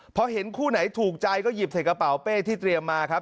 พอเห็นคู่ไหนถูกใจก็หยิบใส่กระเป๋าเป้ที่เตรียมมาครับ